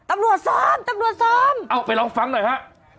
ตำรวจซ้อมตำรวจซ้อมเอาไปลองฟังหน่อยฮะ